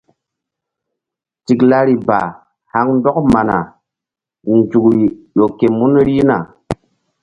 Tiklari ba haŋ ndɔk mana nzukri ƴo ke mun rihna.